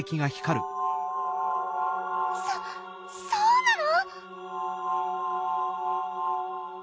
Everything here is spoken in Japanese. そっそうなの？